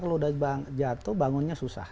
kalau jatuh bangunnya susah